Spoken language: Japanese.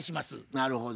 なるほど。